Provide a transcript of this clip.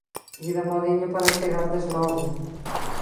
Ide a modiño para chegardes logo